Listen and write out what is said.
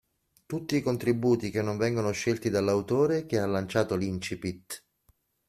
Tutti i contributi che non vengono scelti dall'autore che ha lanciato l'incipit.